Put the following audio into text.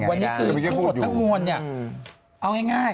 วันนี้คือผู้อดทั้งงวลเอาง่าย